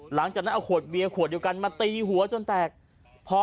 หลังจากนั้นเอาขวดเบียร์ขวดเดียวกันมาตีหัวจนแตกพอ